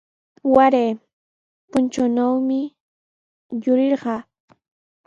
Waray puntrawnawmi yurirqaa.